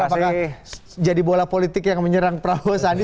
apakah jadi bola politik yang menyerang prabowo sandi